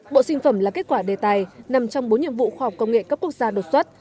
bộ sinh phẩm là kết quả đề tài nằm trong bốn nhiệm vụ khoa học công nghệ cấp quốc gia đột xuất